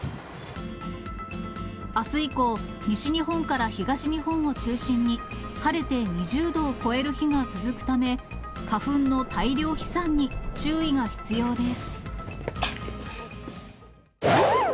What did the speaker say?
あす以降、西日本から東日本を中心に、晴れて２０度を超える日が続くため、花粉の大量飛散に注意が必要です。